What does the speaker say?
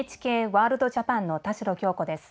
「ＮＨＫワールドＪＡＰＡＮ」の田代杏子です。